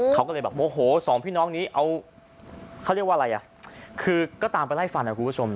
เค้าก็เลยโมโหเห็นแต่๒พี่น้องนี้ก็ตามไปไล่ฟันคุณผู้ชม